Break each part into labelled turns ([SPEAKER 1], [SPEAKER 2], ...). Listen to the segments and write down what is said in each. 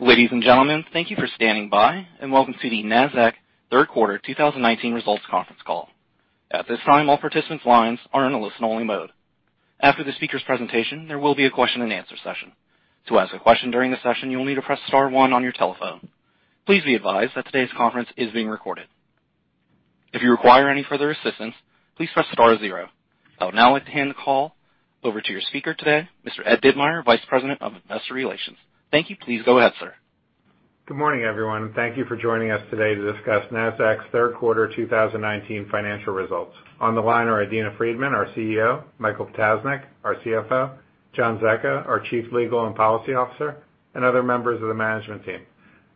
[SPEAKER 1] Ladies and gentlemen, thank you for standing by, and welcome to the Nasdaq third quarter 2019 results conference call. At this time, all participants' lines are in a listen-only mode. After the speaker's presentation, there will be a question and answer session. To ask a question during the session, you will need to press star one on your telephone. Please be advised that today's conference is being recorded. If you require any further assistance, please press star zero. I would now like to hand the call over to your speaker today, Mr. Ed Ditmire, Vice President of Investor Relations. Thank you. Please go ahead, sir.
[SPEAKER 2] Good morning, everyone. Thank you for joining us today to discuss Nasdaq's third quarter 2019 financial results. On the line are Adena Friedman, our CEO; Michael Ptasznik, our CFO; John Zecca, our Chief Legal and Policy Officer; and other members of the management team.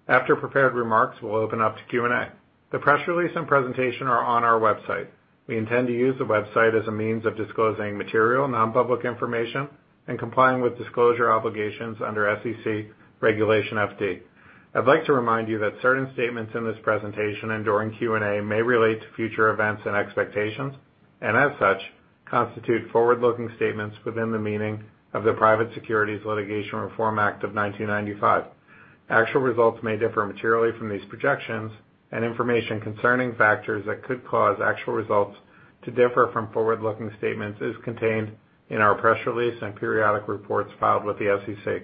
[SPEAKER 2] After prepared remarks, we'll open up to Q&A. The press release and presentation are on our website. We intend to use the website as a means of disclosing material non-public information and complying with disclosure obligations under SEC Regulation FD. I'd like to remind you that certain statements in this presentation and during Q&A may relate to future events and expectations, and as such, constitute forward-looking statements within the meaning of the Private Securities Litigation Reform Act of 1995. Actual results may differ materially from these projections, information concerning factors that could cause actual results to differ from forward-looking statements is contained in our press release and periodic reports filed with the SEC.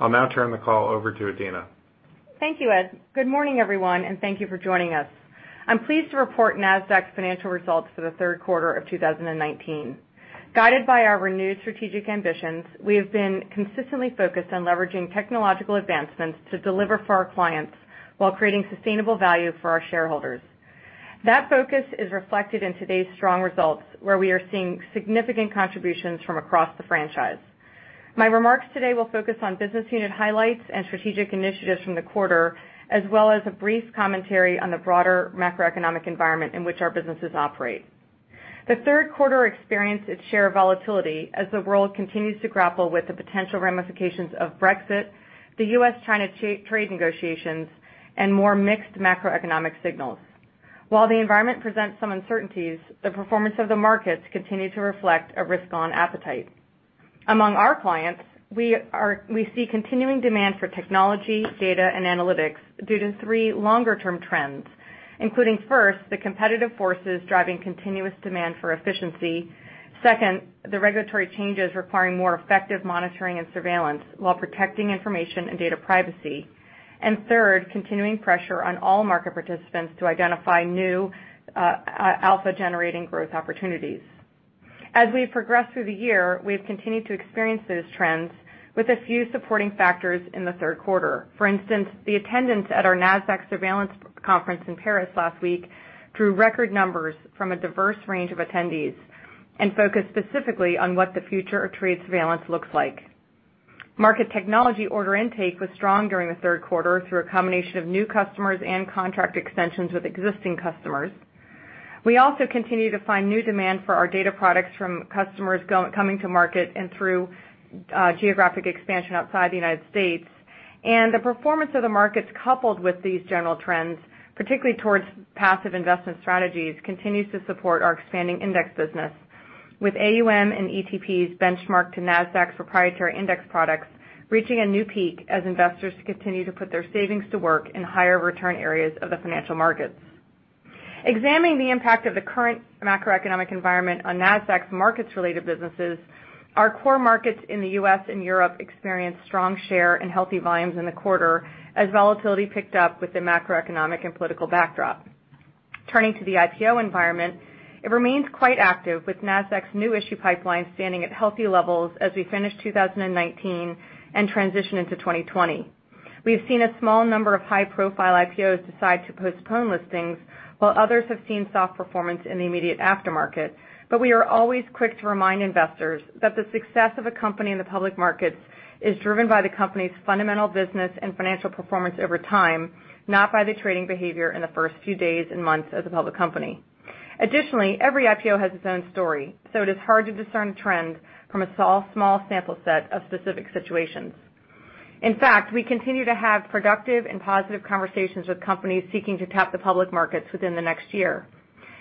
[SPEAKER 2] I'll now turn the call over to Adena.
[SPEAKER 3] Thank you, Ed. Good morning, everyone, and thank you for joining us. I'm pleased to report Nasdaq's financial results for the third quarter of 2019. Guided by our renewed strategic ambitions, we have been consistently focused on leveraging technological advancements to deliver for our clients while creating sustainable value for our shareholders. That focus is reflected in today's strong results, where we are seeing significant contributions from across the franchise. My remarks today will focus on business unit highlights and strategic initiatives from the quarter, as well as a brief commentary on the broader macroeconomic environment in which our businesses operate. The third quarter experienced its share of volatility as the world continues to grapple with the potential ramifications of Brexit, the U.S.-China trade negotiations, and more mixed macroeconomic signals. While the environment presents some uncertainties, the performance of the markets continue to reflect a risk-on appetite. Among our clients, we see continuing demand for technology, data, and analytics due to three longer-term trends, including, first, the competitive forces driving continuous demand for efficiency, second, the regulatory changes requiring more effective monitoring and surveillance while protecting information and data privacy, and third, continuing pressure on all market participants to identify new alpha-generating growth opportunities. As we progress through the year, we've continued to experience those trends with a few supporting factors in the third quarter. For instance, the attendance at our Nasdaq Surveillance conference in Paris last week drew record numbers from a diverse range of attendees and focused specifically on what the future of trade surveillance looks like. Market technology order intake was strong during the third quarter through a combination of new customers and contract extensions with existing customers. We also continue to find new demand for our data products from customers coming to market and through geographic expansion outside the U.S. The performance of the markets coupled with these general trends, particularly towards passive investment strategies, continues to support our expanding index business, with AUM and ETPs benchmarked to Nasdaq's proprietary index products reaching a new peak as investors continue to put their savings to work in higher return areas of the financial markets. Examining the impact of the current macroeconomic environment on Nasdaq's markets-related businesses, our core markets in the U.S. and Europe experienced strong share and healthy volumes in the quarter as volatility picked up with the macroeconomic and political backdrop. Turning to the IPO environment, it remains quite active, with Nasdaq's new issue pipeline standing at healthy levels as we finish 2019 and transition into 2020. We have seen a small number of high-profile IPOs decide to postpone listings, while others have seen soft performance in the immediate aftermarket. We are always quick to remind investors that the success of a company in the public markets is driven by the company's fundamental business and financial performance over time, not by the trading behavior in the first few days and months as a public company. Additionally, every IPO has its own story, so it is hard to discern trends from a small sample set of specific situations. In fact, we continue to have productive and positive conversations with companies seeking to tap the public markets within the next year.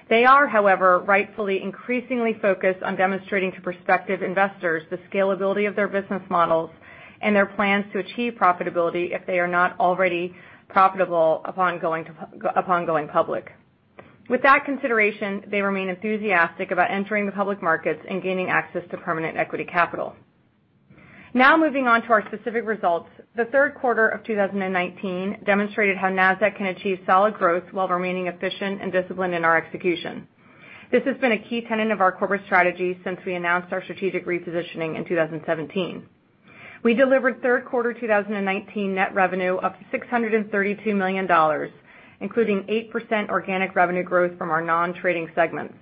[SPEAKER 3] They are, however, rightfully increasingly focused on demonstrating to prospective investors the scalability of their business models and their plans to achieve profitability if they are not already profitable upon going public. With that consideration, they remain enthusiastic about entering the public markets and gaining access to permanent equity capital. Moving on to our specific results. The third quarter of 2019 demonstrated how Nasdaq can achieve solid growth while remaining efficient and disciplined in our execution. This has been a key tenet of our corporate strategy since we announced our strategic repositioning in 2017. We delivered third quarter 2019 net revenue of $632 million, including 8% organic revenue growth from our non-trading segments.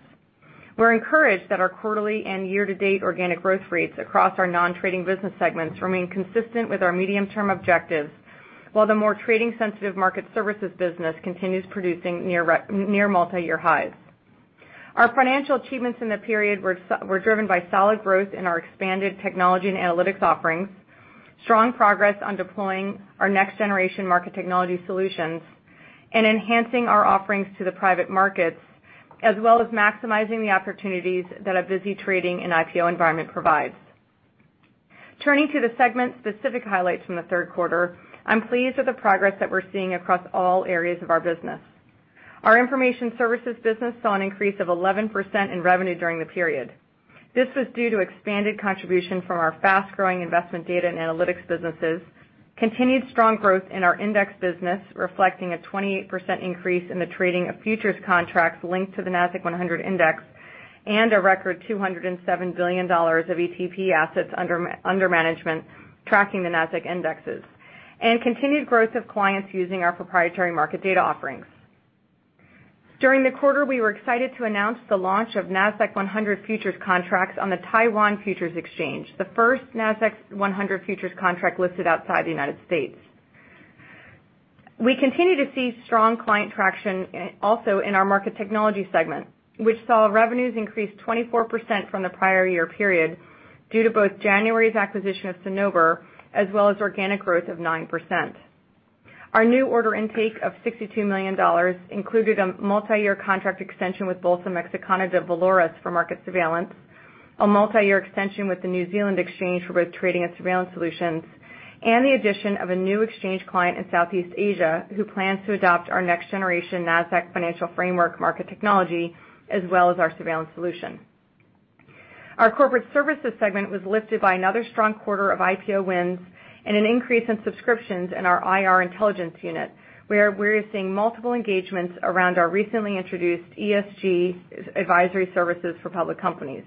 [SPEAKER 3] We're encouraged that our quarterly and year-to-date organic growth rates across our non-trading business segments remain consistent with our medium-term objectives, while the more trading-sensitive market services business continues producing near multi-year highs. Our financial achievements in the period were driven by solid growth in our expanded technology and analytics offerings, strong progress on deploying our next-generation market technology solutions, and enhancing our offerings to the private markets. As well as maximizing the opportunities that a busy trading and IPO environment provides. Turning to the segment-specific highlights from the third quarter, I'm pleased with the progress that we're seeing across all areas of our business. Our Information Services business saw an increase of 11% in revenue during the period. This was due to expanded contribution from our fast-growing investment data and analytics businesses, continued strong growth in our Index business, reflecting a 28% increase in the trading of futures contracts linked to the Nasdaq 100 index, and a record $207 billion of ETP assets under management, tracking the Nasdaq indexes, and continued growth of clients using our proprietary market data offerings. During the quarter, we were excited to announce the launch of Nasdaq 100 futures contracts on the Taiwan Futures Exchange, the first Nasdaq 100 futures contract listed outside the United States. We continue to see strong client traction also in our market technology segment, which saw revenues increase 24% from the prior year period due to both January's acquisition of Cinnober, as well as organic growth of 9%. Our new order intake of $62 million included a multi-year contract extension with Bolsa Mexicana de Valores for market surveillance, a multi-year extension with the New Zealand Exchange for both trading and surveillance solutions, and the addition of a new exchange client in Southeast Asia who plans to adopt our next-generation Nasdaq Financial Framework market technology, as well as our surveillance solution. Our corporate services segment was lifted by another strong quarter of IPO wins and an increase in subscriptions in our IR Intelligence unit, where we are seeing multiple engagements around our recently introduced ESG advisory services for public companies.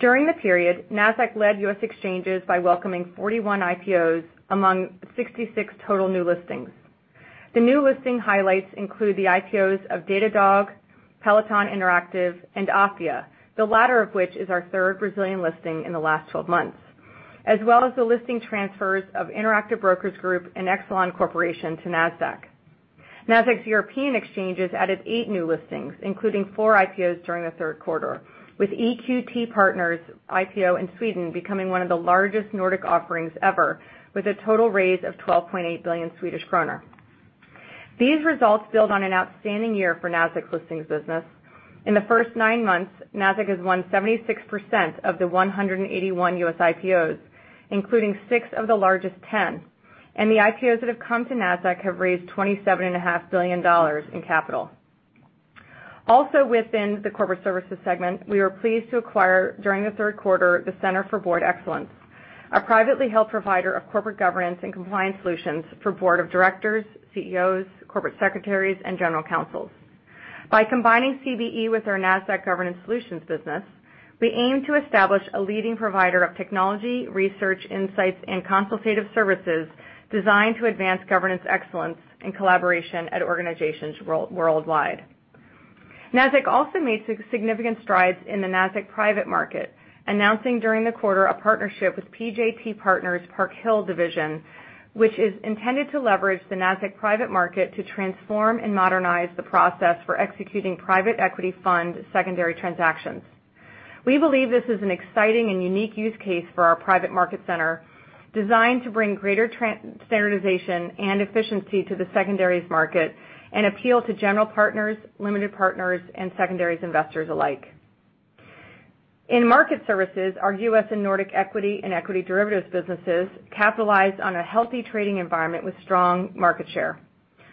[SPEAKER 3] During the period, Nasdaq led U.S. exchanges by welcoming 41 IPOs among 66 total new listings. The new listing highlights include the IPOs of Datadog, Peloton Interactive and Afya, the latter of which is our third Brazilian listing in the last 12 months, as well as the listing transfers of Interactive Brokers Group and Exelon Corporation to Nasdaq. Nasdaq's European exchanges added eight new listings, including four IPOs during the third quarter, with EQT Partners IPO in Sweden becoming one of the largest Nordic offerings ever, with a total raise of 12.8 billion Swedish kronor. These results build on an outstanding year for Nasdaq listings business. In the first nine months, Nasdaq has won 76% of the 181 U.S. IPOs, including six of the largest 10, and the IPOs that have come to Nasdaq have raised $27.5 billion in capital. Also within the corporate services segment, we were pleased to acquire, during the third quarter, the Center for Board Excellence, a privately held provider of corporate governance and compliance solutions for board of directors, CEOs, corporate secretaries, and general counsels. By combining CBE with our Nasdaq Governance Solutions business, we aim to establish a leading provider of technology, research, insights, and consultative services designed to advance governance excellence and collaboration at organizations worldwide. Nasdaq also made significant strides in the Nasdaq Private Market, announcing during the quarter a partnership with PJT Partners' Park Hill division, which is intended to leverage the Nasdaq Private Market to transform and modernize the process for executing private equity fund secondary transactions. We believe this is an exciting and unique use case for our private market center, designed to bring greater standardization and efficiency to the secondaries market and appeal to general partners, limited partners, and secondaries investors alike. In market services, our U.S. and Nordic equity and equity derivatives businesses capitalized on a healthy trading environment with strong market share.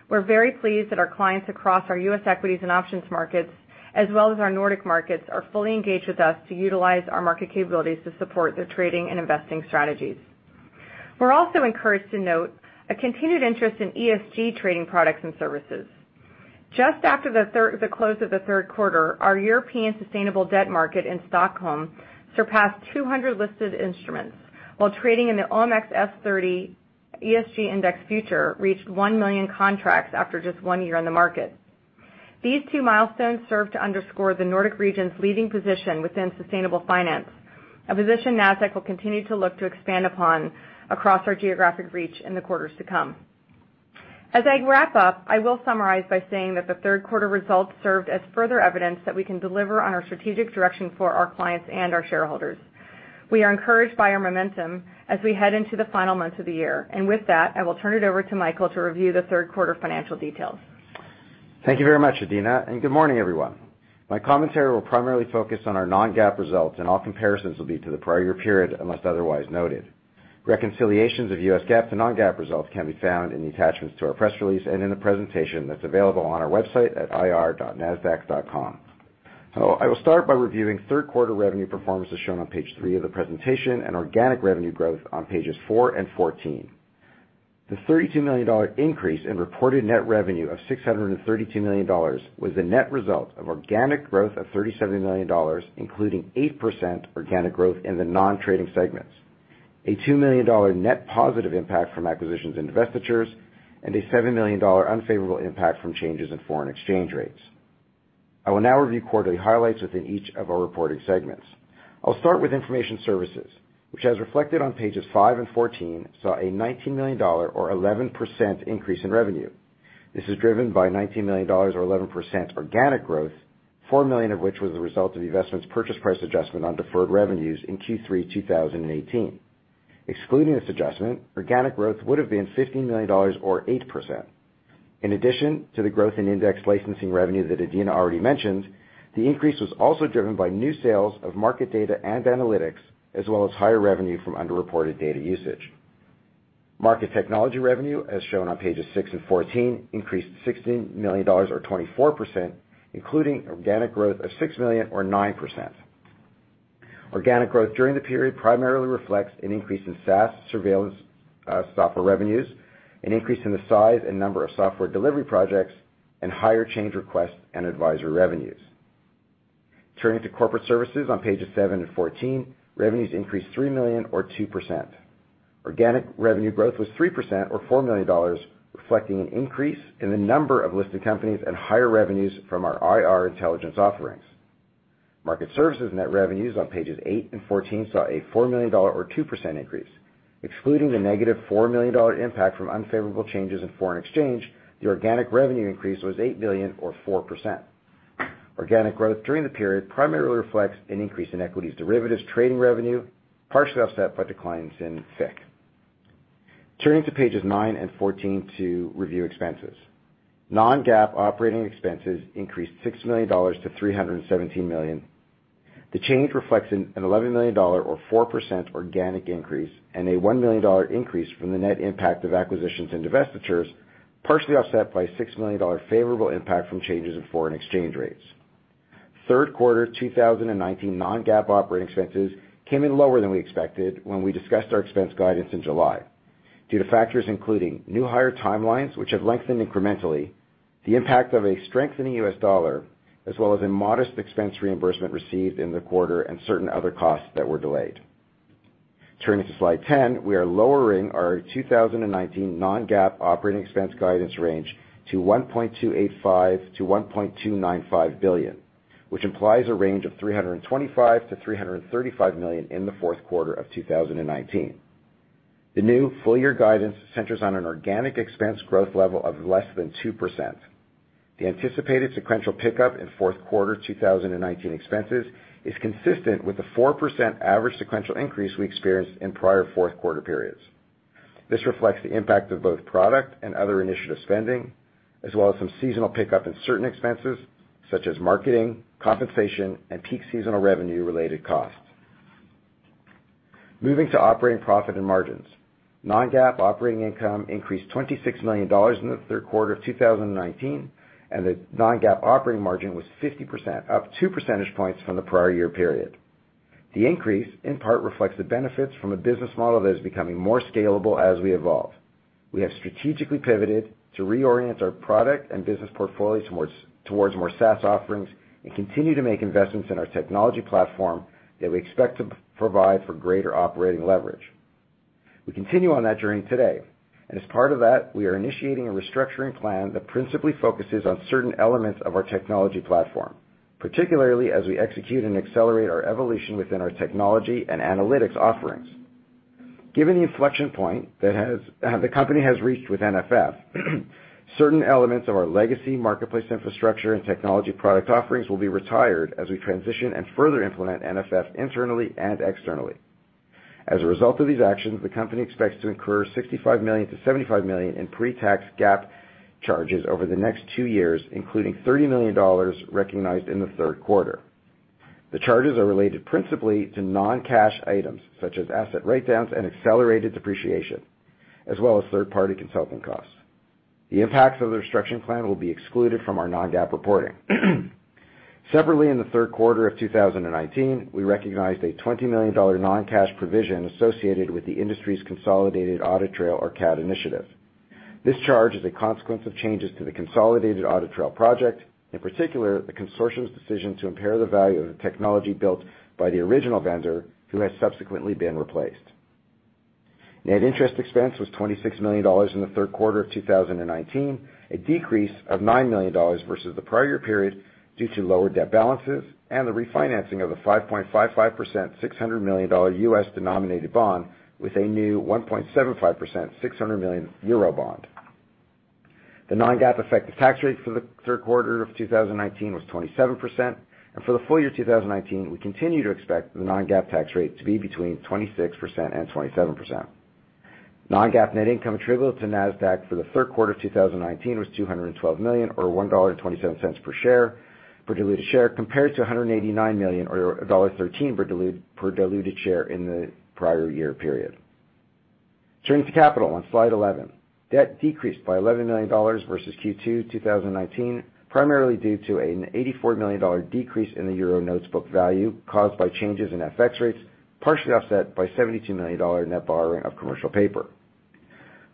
[SPEAKER 3] We're very pleased that our clients across our U.S. equities and options markets, as well as our Nordic markets, are fully engaged with us to utilize our market capabilities to support their trading and investing strategies. We're also encouraged to note a continued interest in ESG trading products and services. Just after the close of the third quarter, our European sustainable debt market in Stockholm surpassed 200 listed instruments while trading in the OMXS30 ESG Index Future reached 1 million contracts after just one year on the market. These two milestones serve to underscore the Nordic region's leading position within sustainable finance, a position Nasdaq will continue to look to expand upon across our geographic reach in the quarters to come. As I wrap up, I will summarize by saying that the third quarter results served as further evidence that we can deliver on our strategic direction for our clients and our shareholders. We are encouraged by our momentum as we head into the final months of the year. With that, I will turn it over to Michael to review the third quarter financial details.
[SPEAKER 4] Thank you very much, Adena, and good morning, everyone. My commentary will primarily focus on our non-GAAP results. All comparisons will be to the prior year period unless otherwise noted. Reconciliations of US GAAP to non-GAAP results can be found in the attachments to our press release and in the presentation that's available on our website at ir.nasdaq.com. I will start by reviewing third quarter revenue performance as shown on page three of the presentation and organic revenue growth on pages four and 14. The $32 million increase in reported net revenue of $632 million was the net result of organic growth of $37 million, including 8% organic growth in the non-trading segments, $2 million net positive impact from acquisitions and divestitures, and a $7 million unfavorable impact from changes in foreign exchange rates. I will now review quarterly highlights within each of our reported segments. I'll start with information services, which, as reflected on pages five and 14, saw a $19 million or 11% increase in revenue. This is driven by $19 million or 11% organic growth, $4 million of which was a result of eVestment's purchase price adjustment on deferred revenues in Q3 2018. Excluding this adjustment, organic growth would have been $15 million or 8%. In addition to the growth in index licensing revenue that Adena already mentioned, the increase was also driven by new sales of market data and analytics, as well as higher revenue from under-reported data usage. Market technology revenue, as shown on pages six and 14, increased $16 million or 24%, including organic growth of $6 million or 9%. Organic growth during the period primarily reflects an increase in SaaS surveillance software revenues, an increase in the size and number of software delivery projects, and higher change requests and advisory revenues. Turning to corporate services on pages seven and 14, revenues increased $3 million or 2%. Organic revenue growth was 3% or $4 million, reflecting an increase in the number of listed companies and higher revenues from our IR intelligence offerings. Market services net revenues on pages eight and 14 saw a $4 million or 2% increase. Excluding the negative $4 million impact from unfavorable changes in foreign exchange, the organic revenue increase was $8 million or 4%. Organic growth during the period primarily reflects an increase in equities derivatives trading revenue, partially offset by declines in FIC. Turning to pages nine and 14 to review expenses. non-GAAP operating expenses increased $6 million to $317 million. The change reflects an $11 million or 4% organic increase and a $1 million increase from the net impact of acquisitions and divestitures, partially offset by a $6 million favorable impact from changes in foreign exchange rates. third quarter 2019 non-GAAP operating expenses came in lower than we expected when we discussed our expense guidance in July due to factors including new hire timelines, which have lengthened incrementally, the impact of a strengthening U.S. dollar, as well as a modest expense reimbursement received in the quarter and certain other costs that were delayed. Turning to slide 10, we are lowering our 2019 non-GAAP operating expense guidance range to $1.285 billion-$1.295 billion, which implies a range of $325 million-$335 million in the fourth quarter of 2019. The new full-year guidance centers on an organic expense growth level of less than 2%. The anticipated sequential pickup in fourth quarter 2019 expenses is consistent with the 4% average sequential increase we experienced in prior fourth-quarter periods. This reflects the impact of both product and other initiative spending, as well as some seasonal pickup in certain expenses, such as marketing, compensation, and peak seasonal revenue-related costs. Moving to operating profit and margins. Non-GAAP operating income increased $26 million in the third quarter of 2019, and the non-GAAP operating margin was 50%, up two percentage points from the prior year period. The increase, in part, reflects the benefits from a business model that is becoming more scalable as we evolve. We have strategically pivoted to reorient our product and business portfolio towards more SaaS offerings and continue to make investments in our technology platform that we expect to provide for greater operating leverage. We continue on that journey today. As part of that, we are initiating a restructuring plan that principally focuses on certain elements of our technology platform, particularly as we execute and accelerate our evolution within our technology and analytics offerings. Given the inflection point the company has reached with NFF, certain elements of our legacy marketplace infrastructure and technology product offerings will be retired as we transition and further implement NFF internally and externally. As a result of these actions, the company expects to incur $65 million-$75 million in pre-tax GAAP charges over the next two years, including $30 million recognized in the third quarter. The charges are related principally to non-cash items such as asset write-downs and accelerated depreciation, as well as third-party consulting costs. The impacts of the restructuring plan will be excluded from our non-GAAP reporting. Separately, in the third quarter of 2019, we recognized a $20 million non-cash provision associated with the industry's Consolidated Audit Trail or CAT initiative. This charge is a consequence of changes to the Consolidated Audit Trail project, in particular, the consortium's decision to impair the value of the technology built by the original vendor, who has subsequently been replaced. Net interest expense was $26 million in the third quarter of 2019, a decrease of $9 million versus the prior period due to lower debt balances and the refinancing of the 5.55% $600 million U.S.-denominated bond with a new 1.75% 600 million euro bond. The non-GAAP effective tax rate for the third quarter of 2019 was 27%, and for the full year 2019, we continue to expect the non-GAAP tax rate to be between 26% and 27%. Non-GAAP net income attributable to Nasdaq for the third quarter of 2019 was $212 million, or $1.27 per share, per diluted share, compared to $189 million or $1.13 per diluted share in the prior year period. Turning to capital on slide 11. Debt decreased by $11 million versus Q2 2019, primarily due to an $84 million decrease in the euro notes book value caused by changes in FX rates, partially offset by $72 million net borrowing of commercial paper.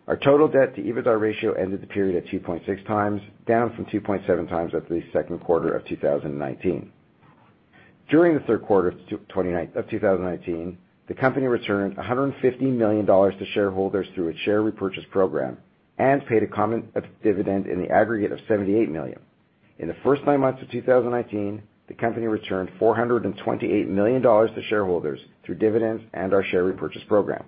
[SPEAKER 4] Our total debt-to-EBITDA ratio ended the period at 2.6 times, down from 2.7 times at the second quarter of 2019. During the third quarter of 2019, the company returned $150 million to shareholders through its share repurchase program and paid a common dividend in the aggregate of $78 million. In the first nine months of 2019, the company returned $428 million to shareholders through dividends and our share repurchase program.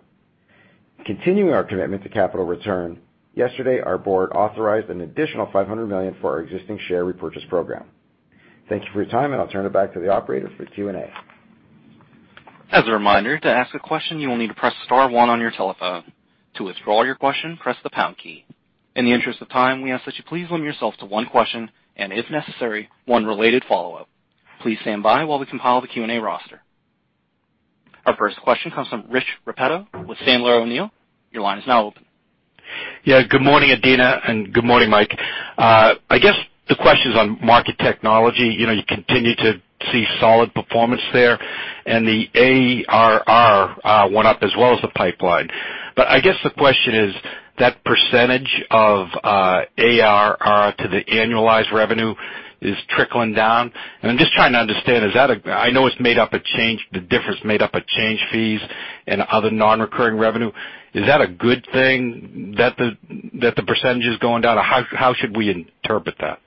[SPEAKER 4] Continuing our commitment to capital return, yesterday, our board authorized an additional $500 million for our existing share repurchase program. Thank you for your time, and I'll turn it back to the operator for Q&A.
[SPEAKER 1] As a reminder, to ask a question, you will need to press star one on your telephone. To withdraw your question, press the pound key. In the interest of time, we ask that you please limit yourself to one question, and if necessary, one related follow-up. Please stand by while we compile the Q&A roster. Our first question comes from Rich Repetto with Sandler O'Neill. Your line is now open.
[SPEAKER 5] Good morning, Adena, and good morning, Mike. I guess the question is on market technology. You continue to see solid performance there, and the ARR went up as well as the pipeline. I guess the question is that percentage of ARR to the annualized revenue is trickling down. I'm just trying to understand. I know the difference is made up of change fees and other non-recurring revenue. Is that a good thing that the percentage is going down, or how should we interpret that?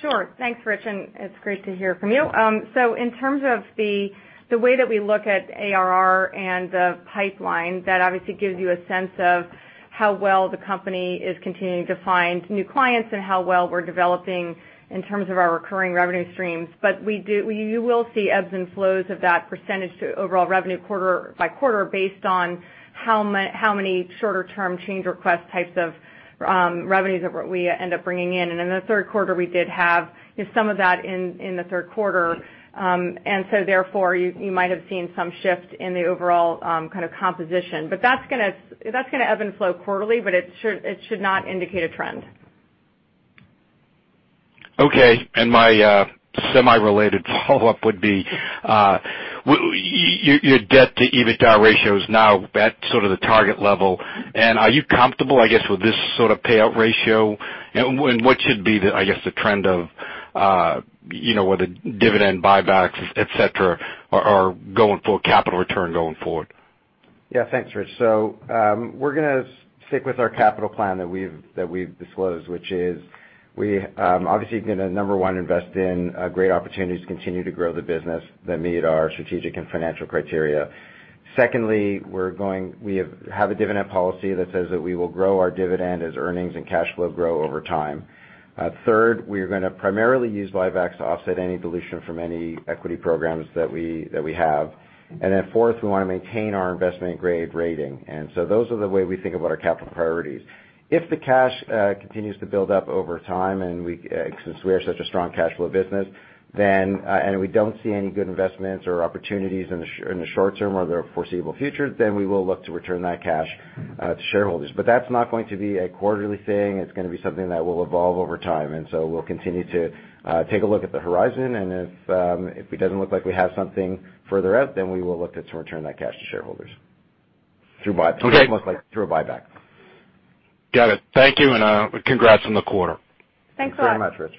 [SPEAKER 3] Sure. Thanks, Rich, and it's great to hear from you. In terms of the way that we look at ARR and the pipeline, that obviously gives you a sense of how well the company is continuing to find new clients and how well we're developing in terms of our recurring revenue streams. You will see ebbs and flows of that percentage to overall revenue quarter by quarter based on how many shorter-term change request types of revenues that we end up bringing in. In the third quarter, we did have some of that in the third quarter. Therefore, you might have seen some shift in the overall kind of composition. That's going to ebb and flow quarterly, but it should not indicate a trend.
[SPEAKER 5] Okay, my semi-related follow-up would be, your debt to EBITDA ratio is now at sort of the target level. Are you comfortable, I guess, with this sort of payout ratio? What should be, I guess, the trend of whether dividend buybacks, et cetera, or capital return going forward?
[SPEAKER 4] Yeah, thanks, Rich. We're gonna stick with our capital plan that we've disclosed, which is we obviously are gonna, number one, invest in great opportunities to continue to grow the business that meet our strategic and financial criteria. Secondly, we have a dividend policy that says that we will grow our dividend as earnings and cash flow grow over time. Third, we are gonna primarily use buybacks to offset any dilution from any equity programs that we have. Fourth, we want to maintain our investment-grade rating. Those are the way we think about our capital priorities. If the cash continues to build up over time, and since we are such a strong cash flow business, and we don't see any good investments or opportunities in the short term or the foreseeable future, then we will look to return that cash to shareholders. That's not going to be a quarterly thing. It's going to be something that will evolve over time. We'll continue to take a look at the horizon, and if it doesn't look like we have something further out, then we will look to return that cash to shareholders through buybacks.
[SPEAKER 5] Got it. Thank you, and congrats on the quarter.
[SPEAKER 3] Thanks a lot.
[SPEAKER 4] Thanks very much, Rich.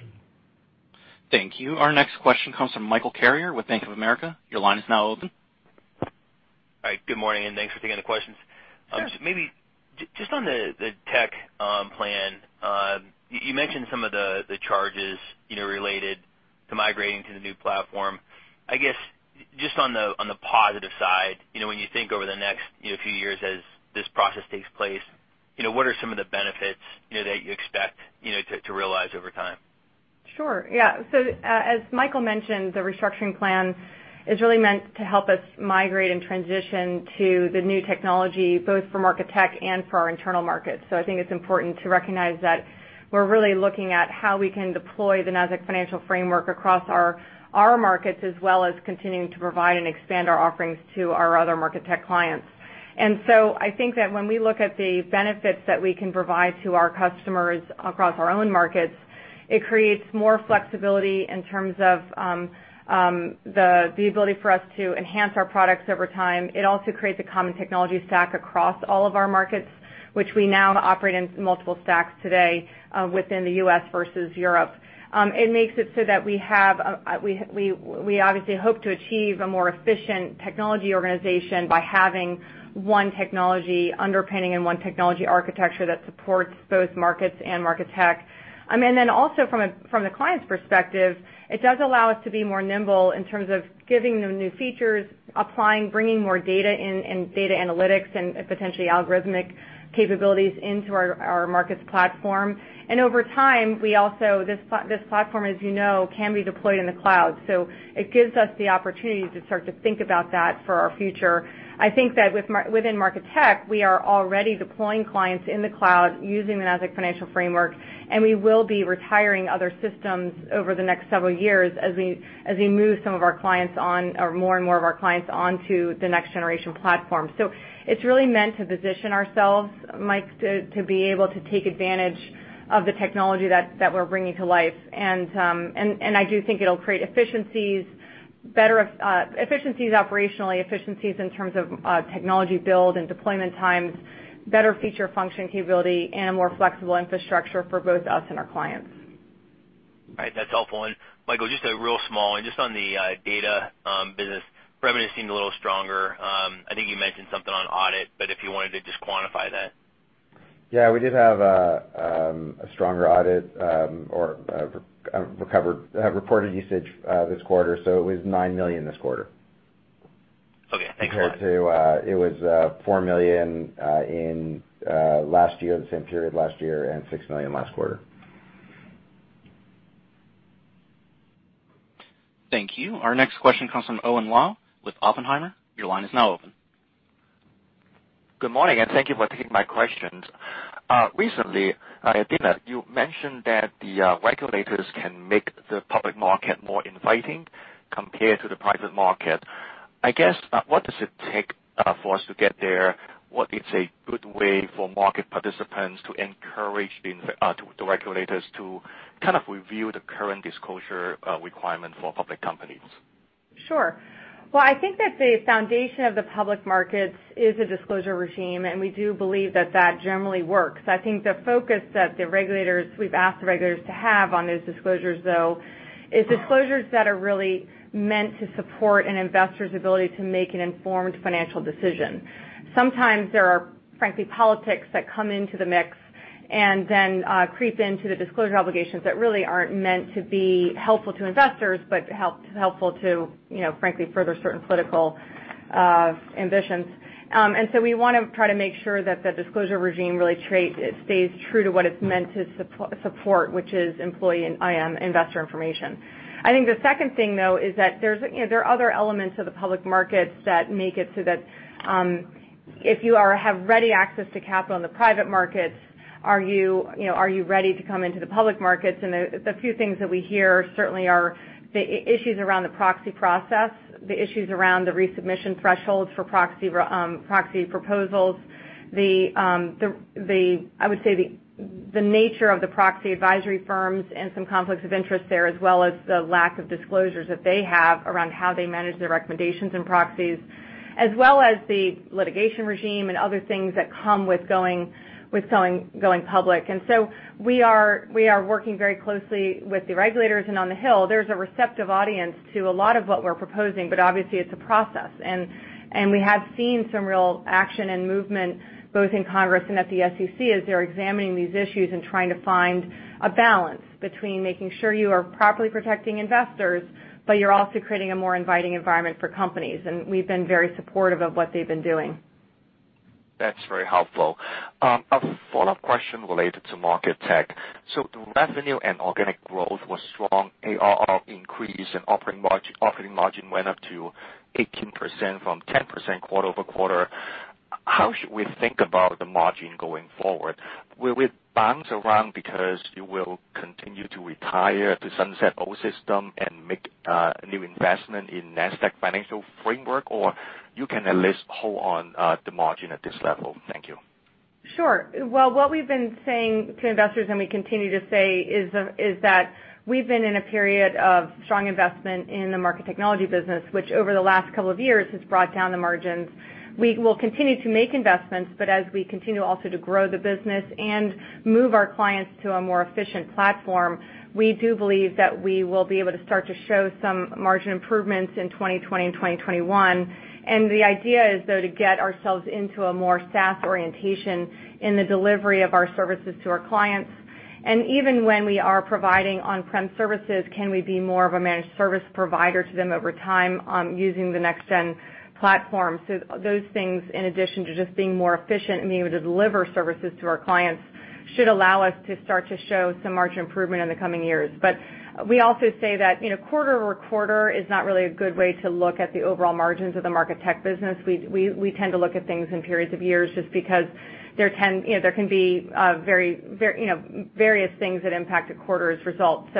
[SPEAKER 1] Thank you. Our next question comes from Michael Carrier with Bank of America. Your line is now open.
[SPEAKER 6] All right, good morning, and thanks for taking the questions.
[SPEAKER 3] Sure.
[SPEAKER 6] Maybe just on the tech plan. You mentioned some of the charges related to migrating to the new platform. I guess, just on the positive side, when you think over the next few years as this process takes place, what are some of the benefits that you expect to realize over time?
[SPEAKER 3] Sure. Yeah. As Michael mentioned, the restructuring plan is really meant to help us migrate and transition to the new technology, both for market tech and for our internal markets. I think it's important to recognize that we're really looking at how we can deploy the Nasdaq Financial Framework across our markets, as well as continuing to provide and expand our offerings to our other market tech clients. I think that when we look at the benefits that we can provide to our customers across our own markets, it creates more flexibility in terms of the ability for us to enhance our products over time. It also creates a common technology stack across all of our markets, which we now operate in multiple stacks today within the U.S. versus Europe. It makes it so that we obviously hope to achieve a more efficient technology organization by having one technology underpinning and one technology architecture that supports both markets and Market Tech. Then also from the client's perspective, it does allow us to be more nimble in terms of giving them new features, applying, bringing more data in, and data analytics and potentially algorithmic capabilities into our markets platform. Over time, this platform, as you know, can be deployed in the cloud. It gives us the opportunity to start to think about that for our future. I think that within Market Tech, we are already deploying clients in the cloud using the Nasdaq Financial Framework, and we will be retiring other systems over the next several years as we move more and more of our clients onto the next-generation platform. It's really meant to position ourselves, Mike, to be able to take advantage of the technology that we're bringing to life. I do think it'll create efficiencies, better efficiencies operationally, efficiencies in terms of technology build and deployment times, better feature function capability, and a more flexible infrastructure for both us and our clients.
[SPEAKER 6] All right, that's helpful. Michael, just a real small one, just on the data business? Revenue seemed a little stronger. I think you mentioned something on audit, but if you wanted to just quantify that?
[SPEAKER 4] Yeah, we did have a stronger audit, or reported usage this quarter. It was $9 million this quarter.
[SPEAKER 6] Okay. Thanks a lot.
[SPEAKER 4] Compared to, it was $4 million in last year, the same period last year, and $6 million last quarter.
[SPEAKER 1] Thank you. Our next question comes from Owen Lau with Oppenheimer. Your line is now open.
[SPEAKER 7] Good morning, and thank you for taking my questions. Recently, Adena, you mentioned that the regulators can make the public market more inviting compared to the private market. I guess, what does it take for us to get there? What is a good way for market participants to encourage the regulators to kind of review the current disclosure requirement for public companies?
[SPEAKER 3] Sure. Well, I think that the foundation of the public markets is a disclosure regime, and we do believe that that generally works. I think the focus that we've asked the regulators to have on those disclosures, though, is disclosures that are really meant to support an investor's ability to make an informed financial decision. Sometimes there are, frankly, politics that come into the mix and then creep into the disclosure obligations that really aren't meant to be helpful to investors, but helpful to frankly further certain political ambitions. We want to try to make sure that the disclosure regime really stays true to what it's meant to support, which is investor information. I think the second thing, though, is that there are other elements of the public markets that make it so that if you have ready access to capital in the private markets, are you ready to come into the public markets? The few things that we hear certainly are the issues around the proxy process, the issues around the resubmission thresholds for proxy proposals. I would say the nature of the proxy advisory firms and some conflicts of interest there, as well as the lack of disclosures that they have around how they manage their recommendations and proxies, as well as the litigation regime and other things that come with going public. So we are working very closely with the regulators. On the Hill, there's a receptive audience to a lot of what we're proposing, but obviously, it's a process. We have seen some real action and movement both in Congress and at the SEC as they're examining these issues and trying to find a balance between making sure you are properly protecting investors, but you're also creating a more inviting environment for companies. We've been very supportive of what they've been doing.
[SPEAKER 7] That's very helpful. A follow-up question related to market tech. The revenue and organic growth was strong ARR increase and operating margin went up to 18% from 10% quarter-over-quarter. How should we think about the margin going forward? Will it bounce around because you will continue to retire to sunset old system and make a new investment in Nasdaq Financial Framework, or you can at least hold on the margin at this level? Thank you.
[SPEAKER 3] Sure. Well, what we've been saying to investors, and we continue to say, is that we've been in a period of strong investment in the market technology business, which over the last couple of years has brought down the margins. We will continue to make investments, but as we continue also to grow the business and move our clients to a more efficient platform, we do believe that we will be able to start to show some margin improvements in 2020 and 2021. The idea is, though, to get ourselves into a more SaaS orientation in the delivery of our services to our clients. Even when we are providing on-prem services, can we be more of a managed service provider to them over time using the NextGen platform? Those things, in addition to just being more efficient and being able to deliver services to our clients, should allow us to start to show some margin improvement in the coming years. We also say that quarter-over-quarter is not really a good way to look at the overall margins of the market tech business. We tend to look at things in periods of years just because there can be various things that impact a quarter's results.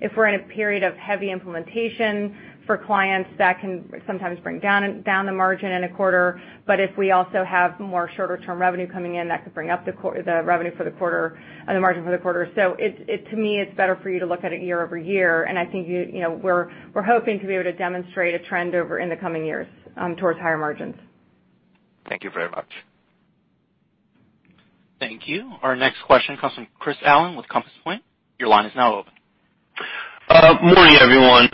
[SPEAKER 3] If we're in a period of heavy implementation for clients, that can sometimes bring down the margin in a quarter. If we also have more shorter-term revenue coming in, that could bring up the margin for the quarter. To me, it's better for you to look at it year-over-year, and I think we're hoping to be able to demonstrate a trend over in the coming years towards higher margins.
[SPEAKER 7] Thank you very much.
[SPEAKER 1] Thank you. Our next question comes from Christopher Allen with Compass Point. Your line is now open.
[SPEAKER 8] Morning, everyone.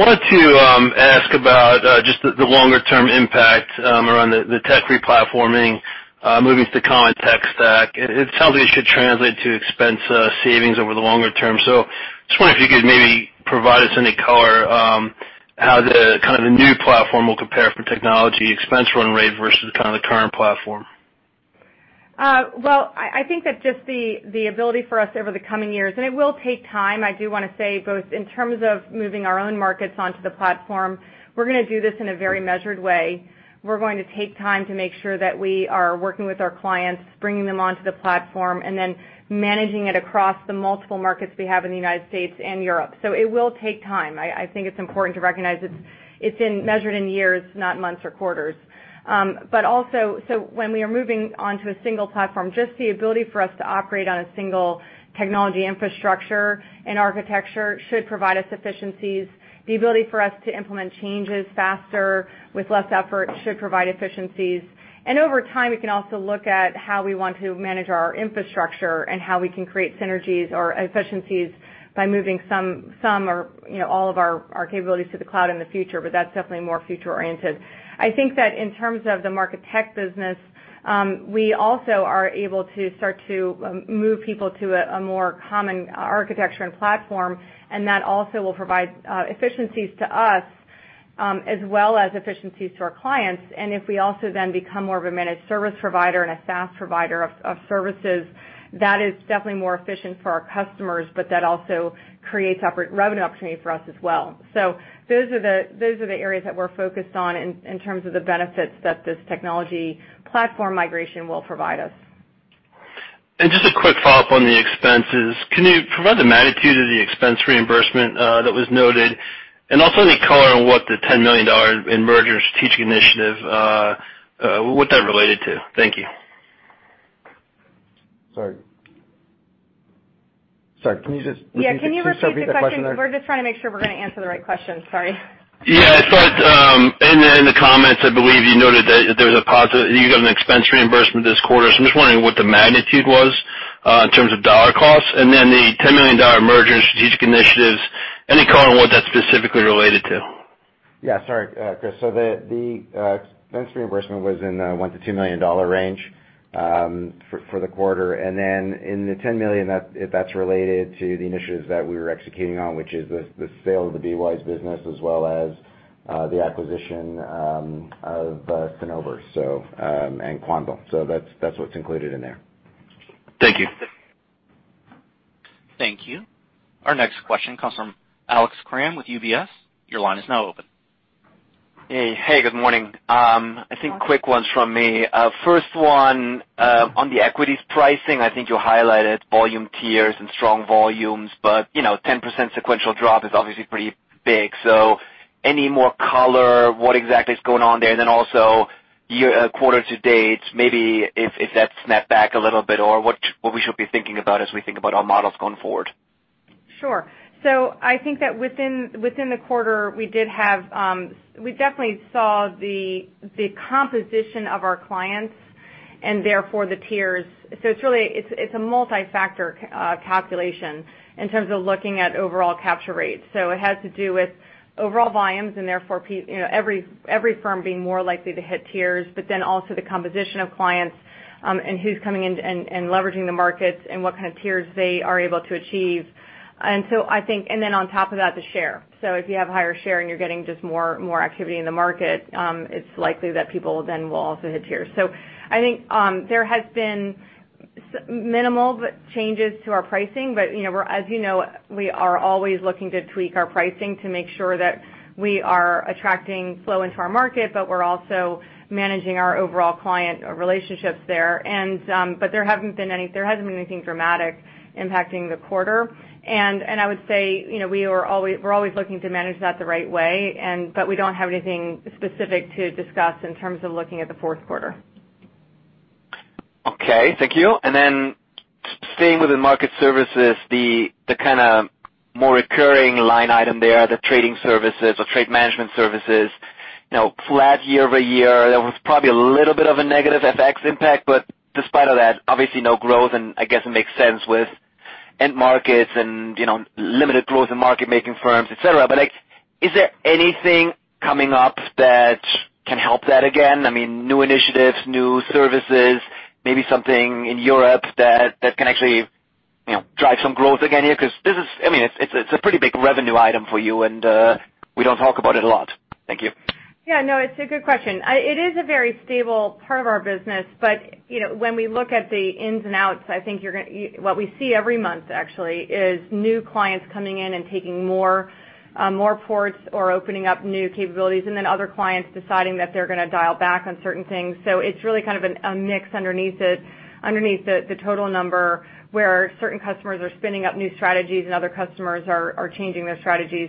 [SPEAKER 8] Wanted to ask about just the longer-term impact around the tech replatforming, moving to the common tech stack. It sounds like it should translate to expense savings over the longer term. I just wonder if you could maybe provide us any color how the kind of new platform will compare for technology expense run rate versus kind of the current platform.
[SPEAKER 3] Well, I think that just the ability for us over the coming years, and it will take time, I do want to say, both in terms of moving our own markets onto the platform. We're going to do this in a very measured way. We're going to take time to make sure that we are working with our clients, bringing them onto the platform, and then managing it across the multiple markets we have in the U.S. and Europe. It will take time. I think it's important to recognize it's measured in years, not months or quarters. When we are moving onto a single platform, just the ability for us to operate on a single technology infrastructure and architecture should provide us efficiencies. The ability for us to implement changes faster with less effort should provide efficiencies. Over time, we can also look at how we want to manage our infrastructure and how we can create synergies or efficiencies by moving some or all of our capabilities to the cloud in the future. That's definitely more future-oriented. I think that in terms of the market tech business, we also are able to start to move people to a more common architecture and platform, and that also will provide efficiencies to us as well as efficiencies to our clients. If we also then become more of a managed service provider and a SaaS provider of services, that is definitely more efficient for our customers, but that also creates revenue opportunity for us as well. Those are the areas that we're focused on in terms of the benefits that this technology platform migration will provide us.
[SPEAKER 8] Just a quick follow-up on the expenses. Can you provide the magnitude of the expense reimbursement that was noted? Also any color on what the $10 million in merger strategic initiative, what that related to? Thank you.
[SPEAKER 4] Sorry.
[SPEAKER 3] Yeah. Can you repeat the question? We're just trying to make sure we're going to answer the right question. Sorry.
[SPEAKER 8] It's like, in the comments, I believe you noted that you got an expense reimbursement this quarter, so I'm just wondering what the magnitude was, in terms of dollar costs, and then the $10 million merger and strategic initiatives, any color on what that's specifically related to?
[SPEAKER 4] Yeah, sorry, Chris. The expense reimbursement was in the $1 million-$2 million range for the quarter. In the $10 million, that's related to the initiatives that we were executing on, which is the sale of the BWise business as well as the acquisition of Cinnober and Quandl. That's what's included in there.
[SPEAKER 8] Thank you.
[SPEAKER 1] Thank you. Our next question comes from Alex Kramm with UBS. Your line is now open.
[SPEAKER 9] Hey, good morning. I think quick ones from me. First one, on the equities pricing, I think you highlighted volume tiers and strong volumes. 10% sequential drop is obviously pretty big. Any more color? What exactly is going on there? Also year-quarter-to-date, maybe if that's snapped back a little bit or what we should be thinking about as we think about our models going forward.
[SPEAKER 3] Sure. I think that within the quarter, we definitely saw the composition of our clients and therefore the tiers. It's a multi-factor calculation in terms of looking at overall capture rates. It has to do with overall volumes and therefore every firm being more likely to hit tiers, but then also the composition of clients, and who's coming in and leveraging the markets and what kind of tiers they are able to achieve. Then on top of that, the share. If you have higher share and you're getting just more activity in the market, it's likely that people then will also hit tiers. I think there has been minimal changes to our pricing, but as you know, we are always looking to tweak our pricing to make sure that we are attracting flow into our market, but we're also managing our overall client relationships there. There hasn't been anything dramatic impacting the quarter. I would say, we're always looking to manage that the right way, but we don't have anything specific to discuss in terms of looking at the fourth quarter.
[SPEAKER 9] Okay, thank you. Staying within market services, the kind of more recurring line item there, the trading services or trade management services, flat year-over-year. There was probably a little bit of a negative FX impact, but despite of that, obviously no growth. I guess it makes sense with end markets and limited growth in market-making firms, et cetera. Is there anything coming up that can help that again? I mean, new initiatives, new services, maybe something in Europe that can actually drive some growth again here, because it's a pretty big revenue item for you, and we don't talk about it a lot. Thank you.
[SPEAKER 3] Yeah, no, it's a good question. It is a very stable part of our business, but when we look at the ins and outs, I think what we see every month actually, is new clients coming in and taking more ports or opening up new capabilities, and then other clients deciding that they're going to dial back on certain things. It's really kind of a mix underneath the total number, where certain customers are spinning up new strategies and other customers are changing their strategies.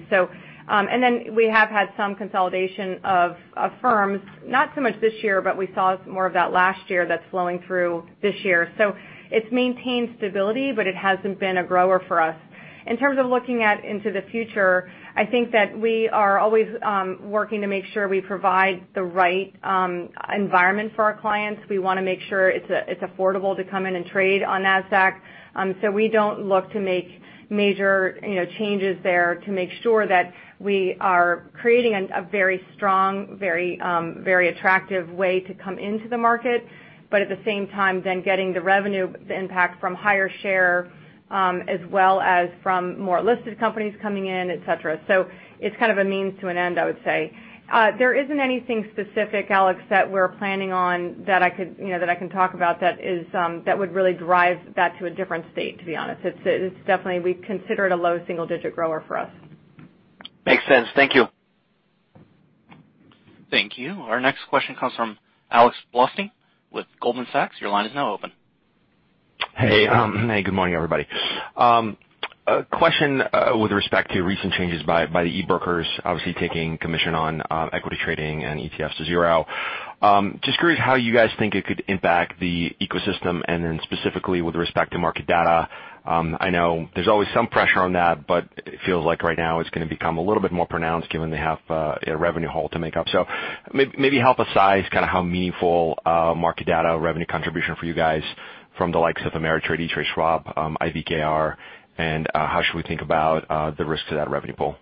[SPEAKER 3] We have had some consolidation of firms, not so much this year, but we saw more of that last year that's flowing through this year. It's maintained stability, but it hasn't been a grower for us. In terms of looking at into the future, I think that we are always working to make sure we provide the right environment for our clients. We want to make sure it's affordable to come in and trade on Nasdaq. We don't look to make major changes there to make sure that we are creating a very strong, very attractive way to come into the market, at the same time, getting the revenue impact from higher share, as well as from more listed companies coming in, et cetera. It's kind of a means to an end, I would say. There isn't anything specific, Alex, that we're planning on that I can talk about that would really drive that to a different state, to be honest. We consider it a low single-digit grower for us.
[SPEAKER 9] Makes sense. Thank you.
[SPEAKER 1] Thank you. Our next question comes from Alexander Blostein with Goldman Sachs. Your line is now open.
[SPEAKER 10] Hey. Good morning, everybody. A question with respect to recent changes by the e-brokers, obviously taking commission on equity trading and ETFs to zero. Just curious how you guys think it could impact the ecosystem, and then specifically with respect to market data. I know there's always some pressure on that, but it feels like right now it's going to become a little bit more pronounced given they have a revenue hole to make up. Maybe help us size kind of how meaningful market data revenue contribution for you guys from the likes of Ameritrade, E*TRADE, Schwab, IBKR, and how should we think about the risk to that revenue pool?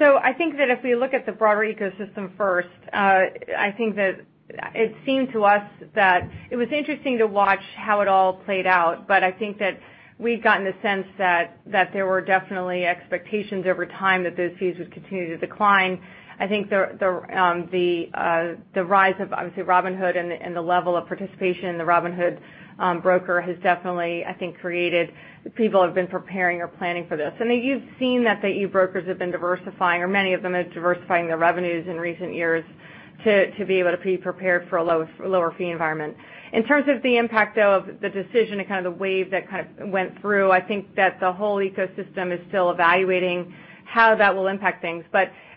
[SPEAKER 3] I think that if we look at the broader ecosystem first, I think that it seemed to us that it was interesting to watch how it all played out. I think that we'd gotten the sense that there were definitely expectations over time that those fees would continue to decline. I think the rise of, obviously, Robinhood and the level of participation in the Robinhood broker has definitely, I think, created. People have been preparing or planning for this. You've seen that the e-brokers have been diversifying, or many of them are diversifying their revenues in recent years to be able to be prepared for a lower fee environment. In terms of the impact, though, of the decision and kind of the wave that kind of went through, I think that the whole ecosystem is still evaluating how that will impact things.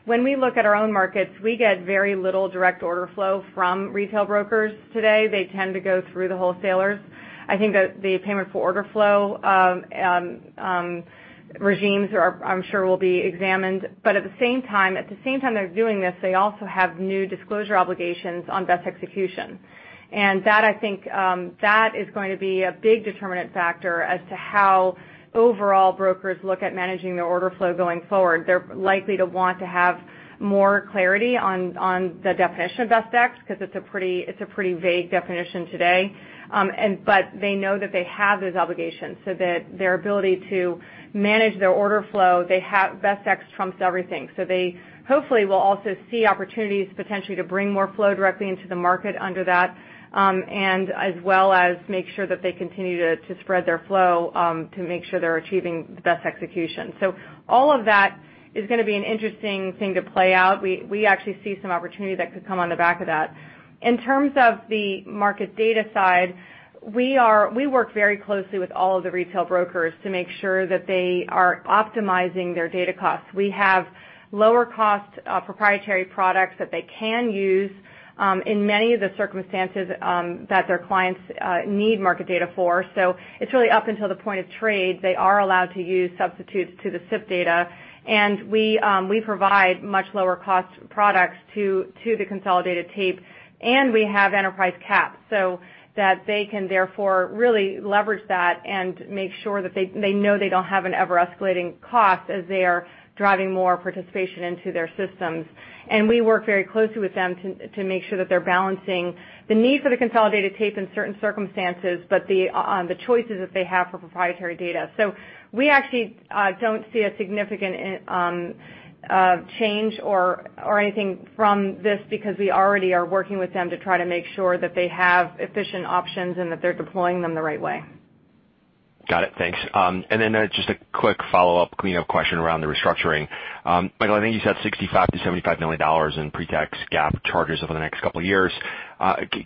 [SPEAKER 3] When we look at our own markets, we get very little direct order flow from retail brokers today. They tend to go through the wholesalers. I think that the payment for order flow regimes I'm sure will be examined. At the same time they're doing this, they also have new disclosure obligations on best execution. That I think is going to be a big determinant factor as to how overall brokers look at managing their order flow going forward. They're likely to want to have more clarity on the definition of best exec, because it's a pretty vague definition today. They know that they have those obligations, so that their ability to manage their order flow, best exec trumps everything. They hopefully will also see opportunities potentially to bring more flow directly into the market under that, and as well as make sure that they continue to spread their flow, to make sure they're achieving the best execution. All of that is going to be an interesting thing to play out. We actually see some opportunity that could come on the back of that. In terms of the market data side, we work very closely with all of the retail brokers to make sure that they are optimizing their data costs. We have lower cost proprietary products that they can use in many of the circumstances that their clients need market data for. It's really up until the point of trade. They are allowed to use substitutes to the SIP data, and we provide much lower cost products to the consolidated tape. We have enterprise caps, so that they can therefore really leverage that and make sure that they know they don't have an ever-escalating cost as they are driving more participation into their systems. We work very closely with them to make sure that they're balancing the need for the consolidated tape in certain circumstances, but the choices that they have for proprietary data. We actually don't see a significant change or anything from this, because we already are working with them to try to make sure that they have efficient options and that they're deploying them the right way.
[SPEAKER 10] Got it. Thanks. Just a quick follow-up cleanup question around the restructuring. Michael, I think you said $65 million-$75 million in pre-tax GAAP charges over the next couple of years.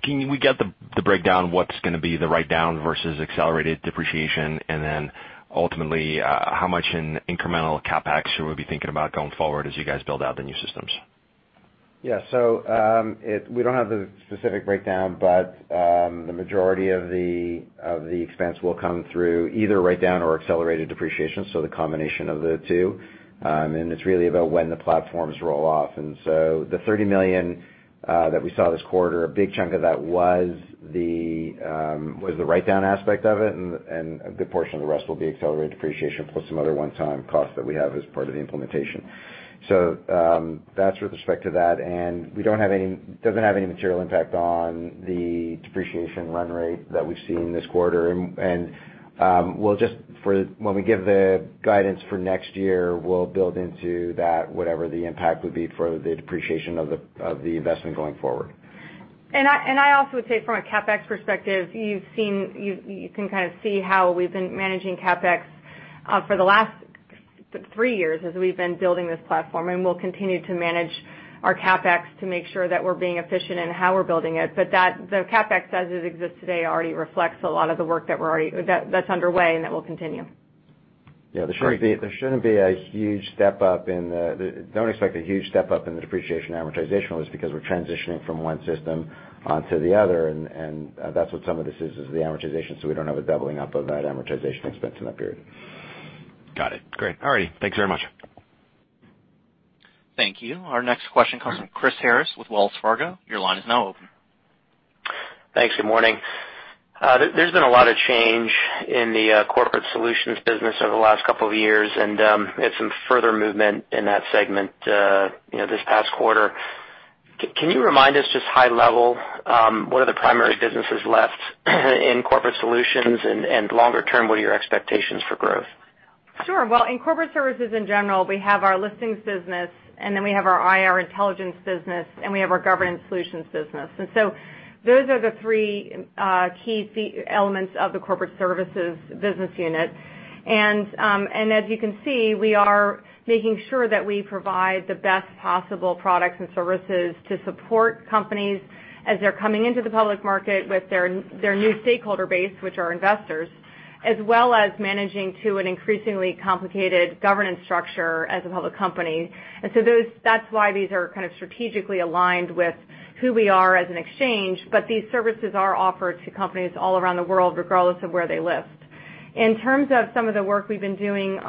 [SPEAKER 10] Can we get the breakdown of what's going to be the write-down versus accelerated depreciation? Ultimately, how much in incremental CapEx should we be thinking about going forward as you guys build out the new systems?
[SPEAKER 4] We don't have the specific breakdown, but the majority of the expense will come through either write-down or accelerated depreciation. The combination of the two. It's really about when the platforms roll off. The $30 million that we saw this quarter, a big chunk of that was the write-down aspect of it, and a good portion of the rest will be accelerated depreciation plus some other one-time costs that we have as part of the implementation. That's with respect to that, and it doesn't have any material impact on the depreciation run rate that we've seen this quarter. When we give the guidance for next year, we'll build into that whatever the impact would be for the depreciation of the investment going forward.
[SPEAKER 3] I also would say from a CapEx perspective, you can kind of see how we've been managing CapEx for the last three years as we've been building this platform. We'll continue to manage our CapEx to make sure that we're being efficient in how we're building it. The CapEx, as it exists today, already reflects a lot of the work that's underway and that will continue.
[SPEAKER 4] Don't expect a huge step up in the depreciation and amortization list because we're transitioning from one system onto the other, and that's what some of this is the amortization. We don't have a doubling up of that amortization expense in that period.
[SPEAKER 10] Got it. Great. All righty. Thanks very much.
[SPEAKER 1] Thank you. Our next question comes from Chris Harris with Wells Fargo. Your line is now open.
[SPEAKER 11] Thanks, good morning. There's been a lot of change in the Corporate Solutions business over the last couple of years, and had some further movement in that segment this past quarter. Can you remind us, just high level, what are the primary businesses left in Corporate Solutions, and longer term, what are your expectations for growth?
[SPEAKER 3] Sure. Well, in corporate services in general, we have our listings business, and then we have our IR Intelligence business, and we have our Governance Solutions business. Those are the three key elements of the corporate services business unit. As you can see, we are making sure that we provide the best possible products and services to support companies as they're coming into the public market with their new stakeholder base, which are investors, as well as managing to an increasingly complicated governance structure as a public company. That's why these are kind of strategically aligned with who we are as an exchange, but these services are offered to companies all around the world, regardless of where they list. In terms of some of the work we've been doing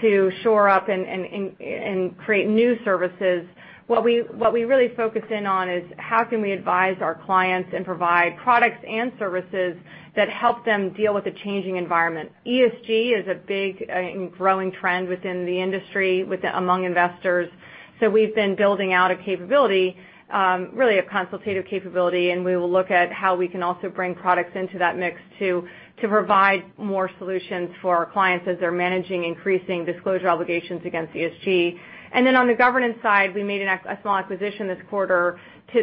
[SPEAKER 3] to shore up and create new services, what we really focus in on is how can we advise our clients and provide products and services that help them deal with the changing environment. ESG is a big and growing trend within the industry, among investors. We've been building out a capability, really a consultative capability, and we will look at how we can also bring products into that mix to provide more solutions for our clients as they're managing increasing disclosure obligations against ESG. Then on the governance side, we made a small acquisition this quarter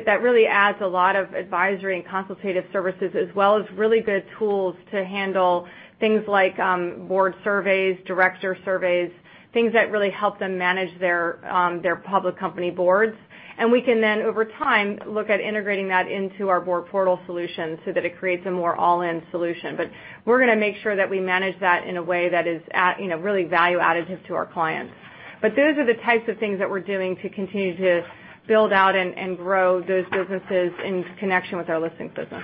[SPEAKER 3] that really adds a lot of advisory and consultative services as well as really good tools to handle things like board surveys, director surveys, things that really help them manage their public company boards. We can then, over time, look at integrating that into our board portal solution so that it creates a more all-in solution. We're going to make sure that we manage that in a way that is really value additive to our clients. Those are the types of things that we're doing to continue to build out and grow those businesses in connection with our listings business.